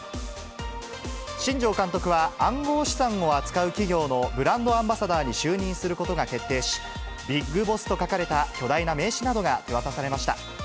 新庄監督は、暗号資産を扱う企業のブランドアンバサダーに就任することが決定し、ビッグボスと書かれた巨大な名刺などが手渡されました。